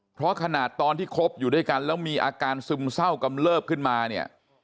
เพราะขนาดตอนที่คบอยู่ด้วยกันแล้วมีอาการซึมเศร้ากำเลิบขึ้นมาเนี่ย